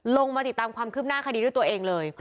ลงมาติดตามความคืบหน้าคดีด้วยตัวเองเลย